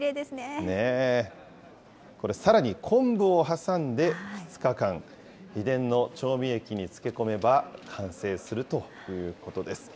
これ、さらに昆布を挟んで２日間、秘伝の調味液に漬け込めば完成するということです。